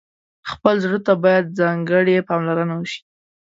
خپل زړه ته باید ځانګړې پاملرنه وشي.